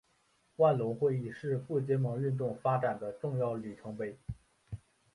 万隆会议是不结盟运动发展的重要里程碑。